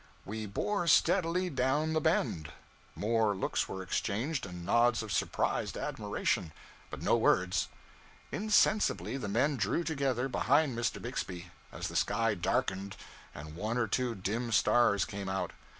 We bore steadily down the bend. More looks were exchanged, and nods of surprised admiration but no words. Insensibly the men drew together behind Mr. Bixby, as the sky darkened and one or two dim stars came out.